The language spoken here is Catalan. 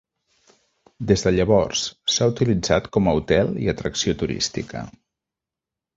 Des de llavors, s"ha utilitzat com a hotel i atracció turística.